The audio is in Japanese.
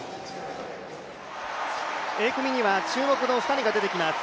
Ａ組には注目の２人が出てきます。